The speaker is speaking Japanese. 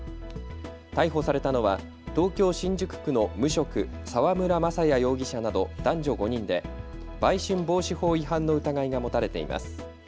逮捕されたのは東京新宿区の無職、澤村雅也容疑者など男女５人で売春防止法違反の疑いが持たれています。